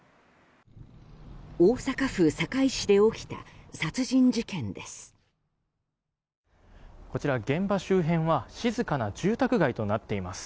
大阪府堺市で起きた殺人事件です。